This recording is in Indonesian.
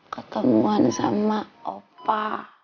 ketemuan sama opa